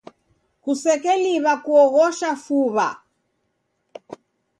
Kusekeliw'a kuoghosha fuw'a.